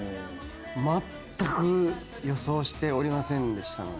まったく予想しておりませんでしたので。